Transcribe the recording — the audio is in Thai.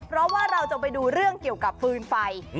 เพราะว่าเราจะไปดูเรื่องเกี่ยวกับฟืนไฟ